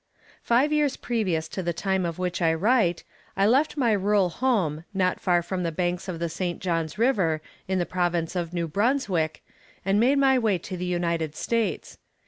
Five years previous to the time of which I write, I left my rural home, not far from the banks of the St. John's River, in the Province of New Brunswick, and made my way to the United States.